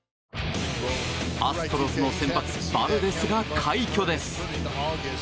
アストロズの先発バルデスが快挙です。